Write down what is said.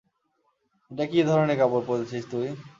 এটা কি ধরনের কাপড় পরেছিস তুই?